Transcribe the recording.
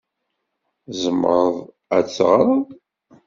Tzemreḍ ad d-teɣreḍ?